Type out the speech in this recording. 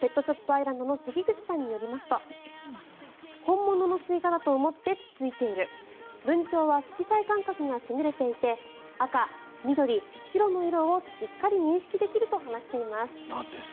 アイランドの関口さんによりますと本物のスイカだと思ってつついているブンチョウは色彩感覚が優れていて赤、緑、白の色をしっかり認識できると話しています。